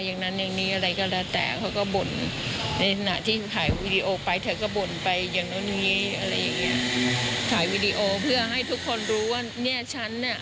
อย่างนั้นอย่างนี้อะไรก็แล้วแต่